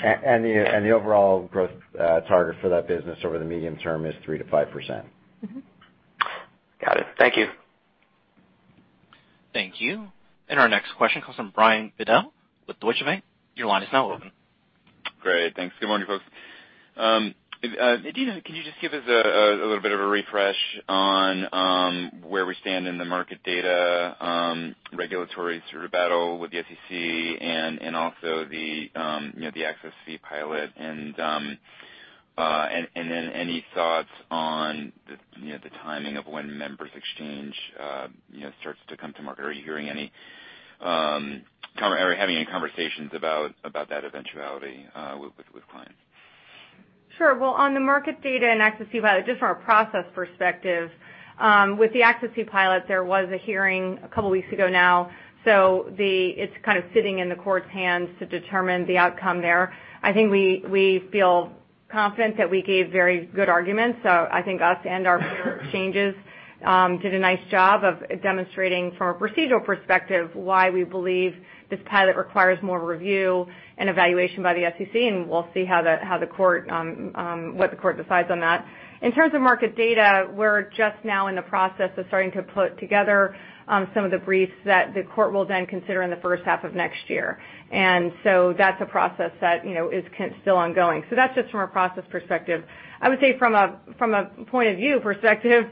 [SPEAKER 4] The overall growth target for that business over the medium term is 3%-5%.
[SPEAKER 11] Got it. Thank you.
[SPEAKER 1] Thank you. Our next question comes from Brian Bedell with Deutsche Bank. Your line is now open.
[SPEAKER 12] Great. Thanks. Good morning, folks. Adena, can you just give us a little bit of a refresh on where we stand in the market data regulatory battle with the SEC and also the Access Fee Pilot and then any thoughts on the timing of when MEMX starts to come to market? Are you hearing or having any conversations about that eventuality with clients?
[SPEAKER 3] Sure. On the market data and Access Fee Pilot, just from a process perspective, with the Access Fee Pilot, there was a hearing a couple of weeks ago now. It's kind of sitting in the court's hands to determine the outcome there. I think we feel confident that we gave very good arguments. I think us and our peer exchanges did a nice job of demonstrating from a procedural perspective why we believe this pilot requires more review and evaluation by the SEC, and we'll see what the court decides on that. In terms of market data, we're just now in the process of starting to put together some of the briefs that the court will then consider in the first half of next year. That's a process that is still ongoing. That's just from a process perspective. I would say from a point of view perspective,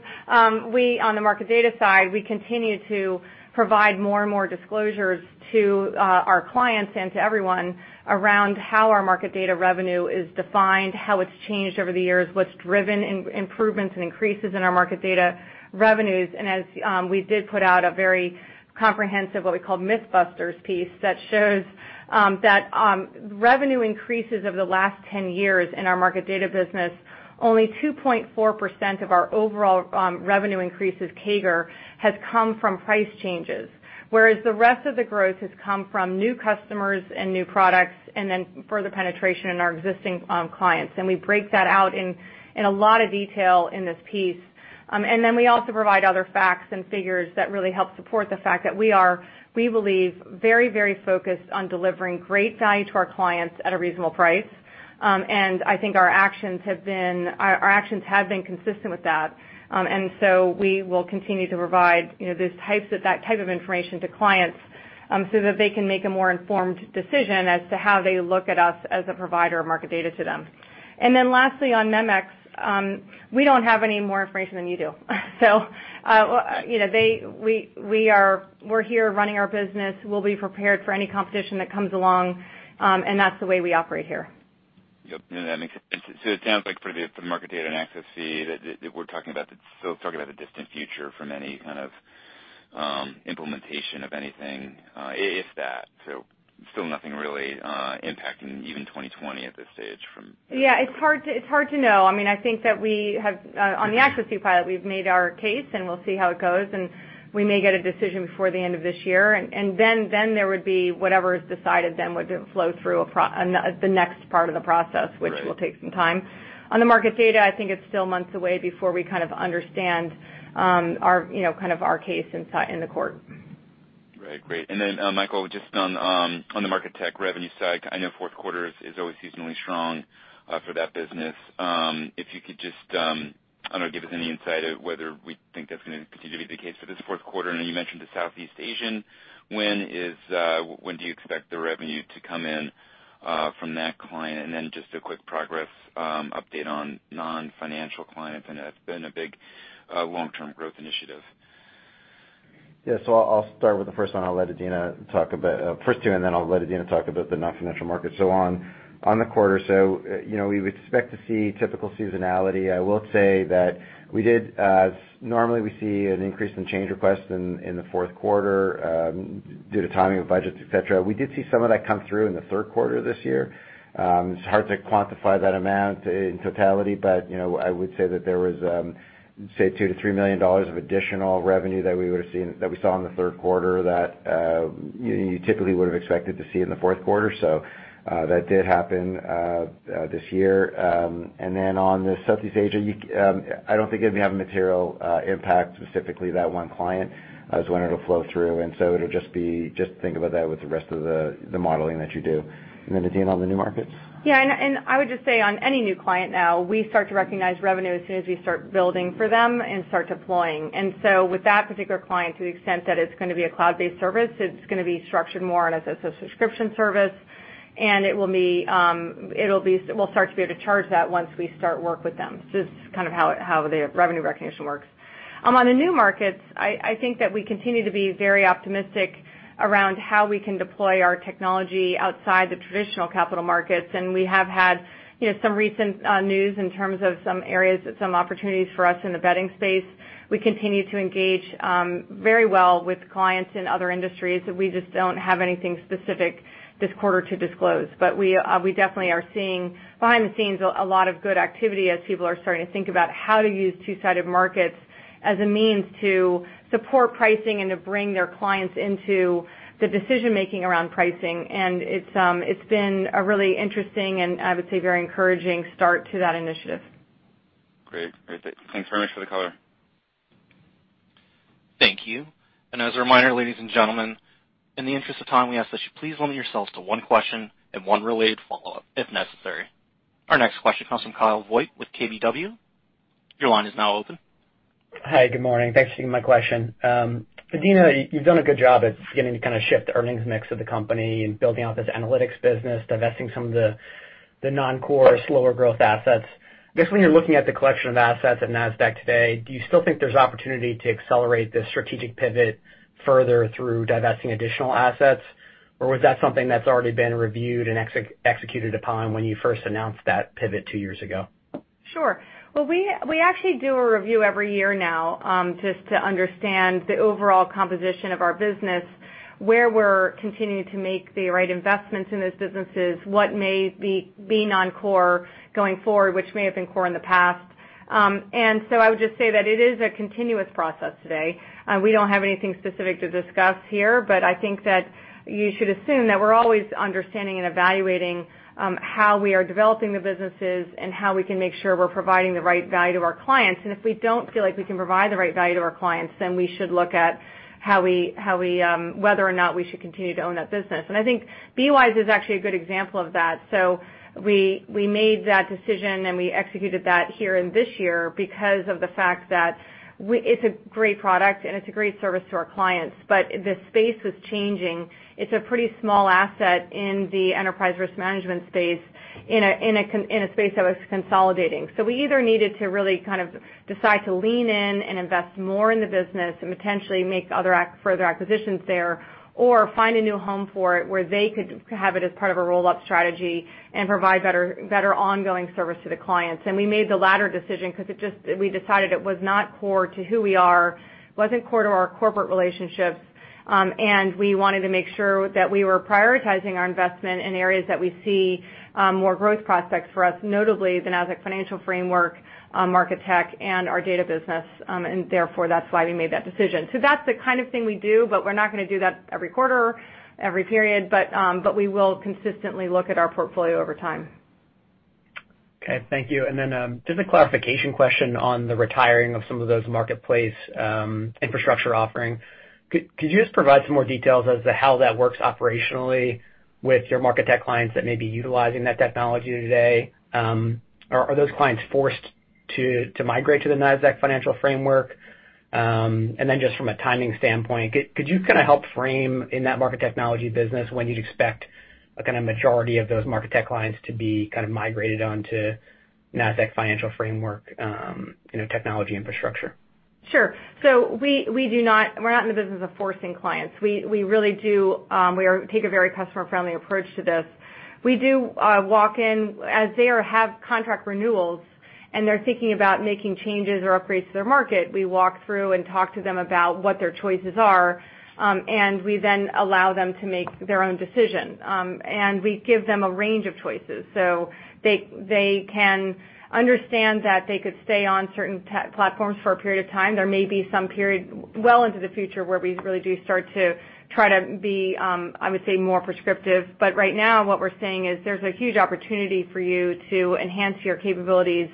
[SPEAKER 3] we, on the market data side, we continue to provide more and more disclosures to our clients and to everyone around how our market data revenue is defined, how it's changed over the years, what's driven improvements and increases in our market data revenues. As we did put out a very comprehensive, what we called myth busters piece that shows that revenue increases over the last 10 years in our market data business, only 2.4% of our overall revenue increase of CAGR has come from price changes, whereas the rest of the growth has come from new customers and new products, and then further penetration in our existing clients. We break that out in a lot of detail in this piece. We also provide other facts and figures that really help support the fact that we believe very focused on delivering great value to our clients at a reasonable price. I think our actions have been consistent with that. We will continue to provide that type of information to clients so that they can make a more informed decision as to how they look at us as a provider of market data to them. Lastly, on MEMX, we don't have any more information than you do. We're here running our business. We'll be prepared for any competition that comes along, and that's the way we operate here.
[SPEAKER 12] Yep. No, that makes sense. It sounds like for the market data and Access Fee, that we're still talking about the distant future from any kind of implementation of anything, if that. Still nothing really impacting even 2020 at this stage.
[SPEAKER 3] Yeah, it's hard to know. I think that on the Access Fee Pilot, we've made our case, and we'll see how it goes, and we may get a decision before the end of this year. There would be whatever is decided then would flow through the next part of the process, which will take some time. On the market data, I think it's still months away before we kind of understand our case in the court.
[SPEAKER 12] Right. Great. Then, Michael, just on the market tech revenue side, I know fourth quarter is always seasonally strong for that business. If you could just, I don't know, give us any insight of whether we think that's going to continue to be the case for this fourth quarter. I know you mentioned the Southeast Asian. When do you expect the revenue to come in from that client? Then just a quick progress update on non-financial clients. I know that's been a big long-term growth initiative.
[SPEAKER 4] Yeah. I'll start with the first two, and then I'll let Adena talk about the non-financial markets. On the quarter, we would expect to see typical seasonality. I will say that normally we see an increase in change requests in the fourth quarter due to timing of budgets, et cetera. We did see some of that come through in the third quarter this year. It's hard to quantify that amount in totality, but I would say that there was, say, $2 million-$3 million of additional revenue that we saw in the third quarter that you typically would've expected to see in the fourth quarter. That did happen this year. On the Southeast Asia, I don't think it'd have a material impact, specifically that one client, as when it'll flow through. Just think about that with the rest of the modeling that you do. Adena, on the new markets?
[SPEAKER 3] Yeah, I would just say on any new client now, we start to recognize revenue as soon as we start building for them and start deploying. With that particular client, to the extent that it's going to be a cloud-based service, it's going to be structured more as a subscription service. We'll start to be able to charge that once we start work with them. This is kind of how the revenue recognition works. On the new markets, I think that we continue to be very optimistic around how we can deploy our technology outside the traditional capital markets. We have had some recent news in terms of some areas with some opportunities for us in the betting space. We continue to engage very well with clients in other industries. We just don't have anything specific this quarter to disclose. We definitely are seeing, behind the scenes, a lot of good activity as people are starting to think about how to use two-sided markets as a means to support pricing and to bring their clients into the decision-making around pricing. It's been a really interesting and, I would say, very encouraging start to that initiative.
[SPEAKER 12] Great. Thanks very much for the color.
[SPEAKER 1] Thank you. As a reminder, ladies and gentlemen, in the interest of time, we ask that you please limit yourselves to one question and one related follow-up if necessary. Our next question comes from Kyle Voigt with KBW. Your line is now open.
[SPEAKER 13] Hi, good morning. Thanks for taking my question. Adena, you've done a good job at beginning to kind of shift the earnings mix of the company and building out this analytics business, divesting some of the non-core slower growth assets. I guess when you're looking at the collection of assets at Nasdaq today, do you still think there's opportunity to accelerate the strategic pivot further through divesting additional assets? Was that something that's already been reviewed and executed upon when you first announced that pivot two years ago?
[SPEAKER 3] Sure. Well, we actually do a review every year now, just to understand the overall composition of our business, where we're continuing to make the right investments in those businesses, what may be non-core going forward, which may have been core in the past. I would just say that it is a continuous process today. We don't have anything specific to discuss here, but I think that you should assume that we're always understanding and evaluating how we are developing the businesses and how we can make sure we're providing the right value to our clients. If we don't feel like we can provide the right value to our clients, then we should look at whether or not we should continue to own that business. I think BWise is actually a good example of that. We made that decision, and we executed that here in this year because of the fact that it's a great product and it's a great service to our clients. The space was changing. It's a pretty small asset in the enterprise risk management space, in a space that was consolidating. We either needed to really kind of decide to lean in and invest more in the business and potentially make other further acquisitions there or find a new home for it where they could have it as part of a roll-up strategy and provide better ongoing service to the clients. We made the latter decision because we decided it was not core to who we are, wasn't core to our corporate relationships. We wanted to make sure that we were prioritizing our investment in areas that we see more growth prospects for us, notably the Nasdaq Financial Framework, Market Tech, and our data business. Therefore, that's why we made that decision. That's the kind of thing we do, but we're not going to do that every quarter, every period. We will consistently look at our portfolio over time.
[SPEAKER 13] Okay, thank you. Then just a clarification question on the retiring of some of those marketplace infrastructure offering. Could you just provide some more details as to how that works operationally with your market tech clients that may be utilizing that technology today? Are those clients forced to migrate to the Nasdaq Financial Framework? Then just from a timing standpoint, could you kind of help frame in that market technology business when you'd expect a kind of majority of those market tech clients to be kind of migrated onto Nasdaq Financial Framework technology infrastructure?
[SPEAKER 3] Sure. We're not in the business of forcing clients. We take a very customer-friendly approach to this. We do walk in as they have contract renewals, and they're thinking about making changes or upgrades to their market. We walk through and talk to them about what their choices are, and we then allow them to make their own decision. We give them a range of choices so they can understand that they could stay on certain platforms for a period of time. There may be some period well into the future where we really do start to try to be, I would say, more prescriptive. Right now, what we're saying is there's a huge opportunity for you to enhance your capabilities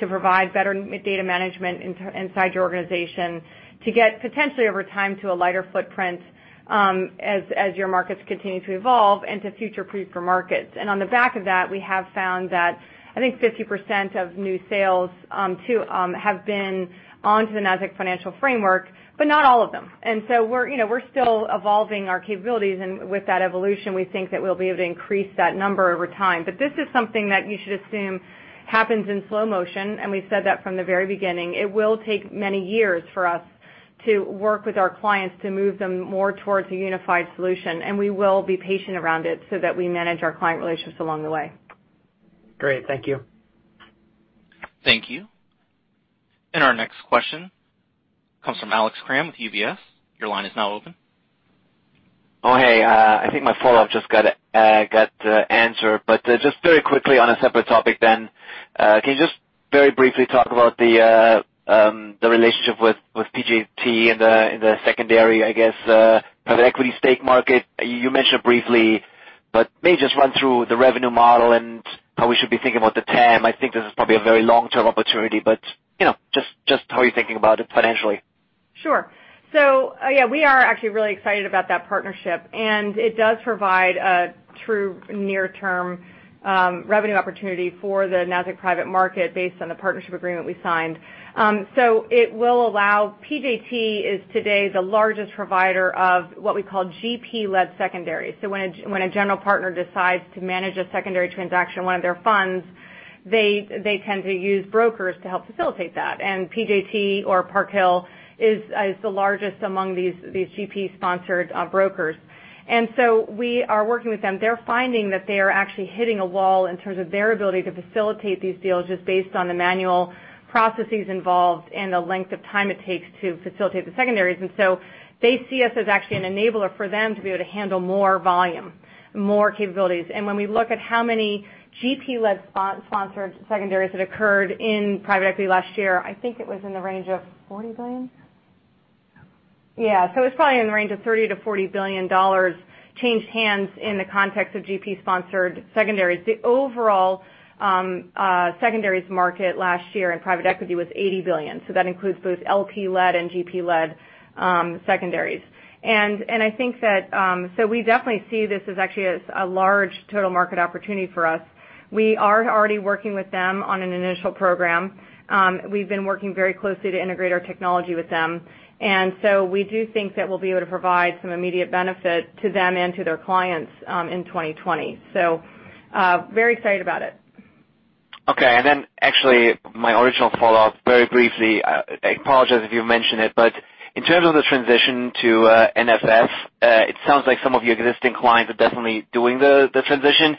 [SPEAKER 3] to provide better data management inside your organization, to get potentially over time to a lighter footprint as your markets continue to evolve into future proof markets. On the back of that, we have found that I think 50% of new sales too have been onto the Nasdaq Financial Framework, but not all of them. We're still evolving our capabilities, and with that evolution, we think that we'll be able to increase that number over time. This is something that you should assume happens in slow motion, and we've said that from the very beginning. It will take many years for us to work with our clients to move them more towards a unified solution. We will be patient around it so that we manage our client relationships along the way.
[SPEAKER 13] Great. Thank you.
[SPEAKER 1] Thank you. Our next question comes from Alex Kramm with UBS. Your line is now open.
[SPEAKER 9] Oh, hey. I think my follow-up just got answered. Just very quickly on a separate topic then, can you just very briefly talk about the relationship with PJT in the secondary, I guess private equity stake market? You mentioned it briefly, but may just run through the revenue model and how we should be thinking about the TAM. I think this is probably a very long-term opportunity, but just how are you thinking about it financially?
[SPEAKER 3] Sure. We are actually really excited about that partnership. It does provide a true near-term revenue opportunity for the Nasdaq Private Market based on the partnership agreement we signed. PJT is today the largest provider of what we call GP-led secondary. When a general partner decides to manage a secondary transaction, they tend to use brokers to help facilitate that. PJT or Park Hill is the largest among these GP-sponsored brokers. We are working with them. They're finding that they are actually hitting a wall in terms of their ability to facilitate these deals just based on the manual processes involved and the length of time it takes to facilitate the secondaries. They see us as actually an enabler for them to be able to handle more volume, more capabilities. When we look at how many GP-led sponsored secondaries that occurred in private equity last year, I think it was in the range of $40 billion? Yeah. It's probably in the range of $30 billion-$40 billion changed hands in the context of GP-sponsored secondaries. The overall secondaries market last year in private equity was $80 billion. That includes both LP-led and GP-led secondaries. We definitely see this as actually a large total market opportunity for us. We are already working with them on an initial program. We've been working very closely to integrate our technology with them. We do think that we'll be able to provide some immediate benefit to them and to their clients in 2020. Very excited about it.
[SPEAKER 9] Actually my original follow-up very briefly, I apologize if you mentioned it, but in terms of the transition to NFF, it sounds like some of your existing clients are definitely doing the transition.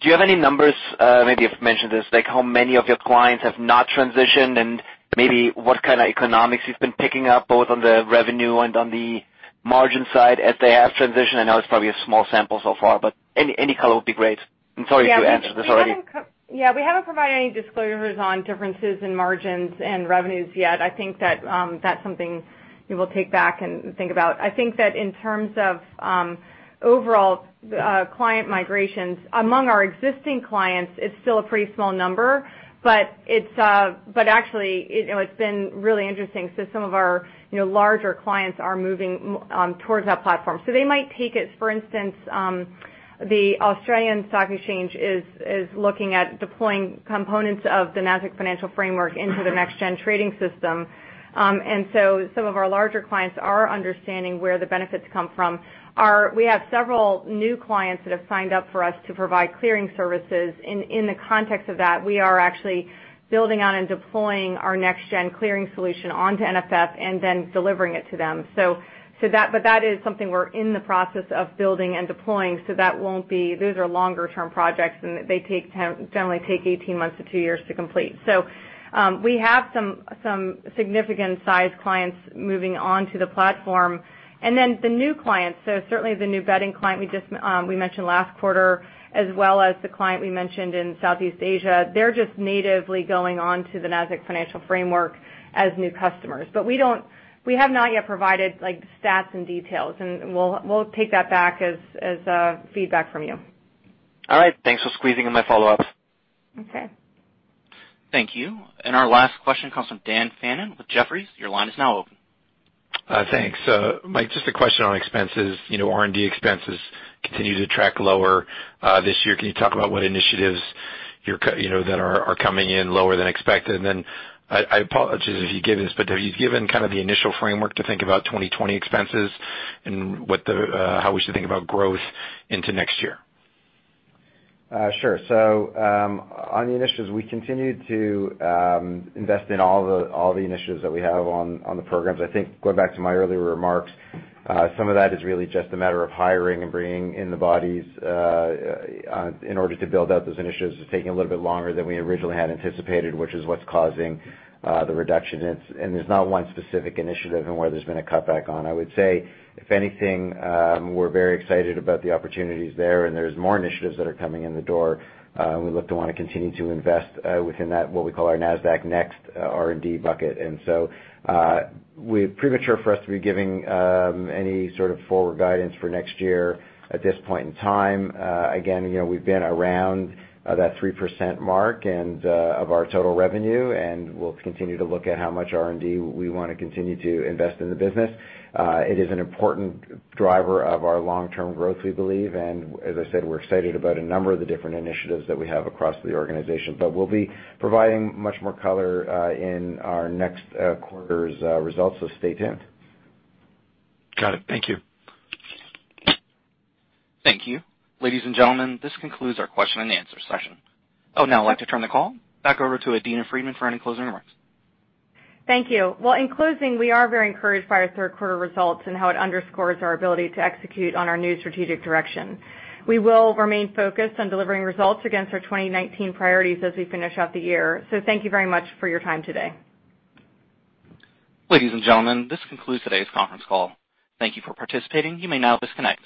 [SPEAKER 9] Do you have any numbers, maybe you've mentioned this, like how many of your clients have not transitioned, and maybe what kind of economics you've been picking up, both on the revenue and on the margin side as they have transitioned? I know it's probably a small sample so far, but any color would be great. Sorry to answer this already.
[SPEAKER 3] Yeah, we haven't provided any disclosures on differences in margins and revenues yet. I think that's something we will take back and think about. I think that in terms of overall client migrations, among our existing clients, it's still a pretty small number, but actually, it's been really interesting. Some of our larger clients are moving towards that platform. They might take it, for instance, the Australian Securities Exchange is looking at deploying components of the Nasdaq Financial Framework into their next-gen trading system. Some of our larger clients are understanding where the benefits come from. We have several new clients that have signed up for us to provide clearing services. In the context of that, we are actually building out and deploying our next-gen clearing solution onto NFF then delivering it to them. That is something we're in the process of building and deploying, those are longer-term projects, and they generally take 18 months to two years to complete. We have some significant size clients moving onto the platform. The new clients, certainly the new betting client we mentioned last quarter, as well as the client we mentioned in Southeast Asia, they're just natively going onto the Nasdaq Financial Framework as new customers. We have not yet provided stats and details, and we'll take that back as feedback from you.
[SPEAKER 9] All right. Thanks for squeezing in my follow-ups.
[SPEAKER 3] Okay.
[SPEAKER 1] Thank you. Our last question comes from Daniel Fannon with Jefferies. Your line is now open.
[SPEAKER 14] Thanks. Mike, just a question on expenses. R&D expenses continue to track lower this year. Can you talk about what initiatives that are coming in lower than expected? I apologize if you gave this, but have you given kind of the initial framework to think about 2020 expenses and how we should think about growth into next year?
[SPEAKER 4] Sure. On the initiatives, we continue to invest in all the initiatives that we have on the programs. I think going back to my earlier remarks, some of that is really just a matter of hiring and bringing in the bodies, in order to build out those initiatives. It's taking a little bit longer than we originally had anticipated, which is what's causing the reduction. There's not one specific initiative where there's been a cutback on. I would say, if anything, we're very excited about the opportunities there, and there's more initiatives that are coming in the door. We look to want to continue to invest within that, what we call our Nasdaq Next R&D bucket. Premature for us to be giving any sort of forward guidance for next year at this point in time. Again, we've been around that 3% mark of our total revenue, and we'll continue to look at how much R&D we want to continue to invest in the business. It is an important driver of our long-term growth, we believe, and as I said, we're excited about a number of the different initiatives that we have across the organization. We'll be providing much more color in our next quarter's results, so stay tuned.
[SPEAKER 14] Got it. Thank you.
[SPEAKER 1] Thank you. Ladies and gentlemen, this concludes our question and answer session. I would now like to turn the call back over to Adena Friedman for any closing remarks.
[SPEAKER 3] Thank you. Well, in closing, we are very encouraged by our third quarter results and how it underscores our ability to execute on our new strategic direction. We will remain focused on delivering results against our 2019 priorities as we finish out the year. Thank you very much for your time today.
[SPEAKER 1] Ladies and gentlemen, this concludes today's conference call. Thank you for participating. You may now disconnect.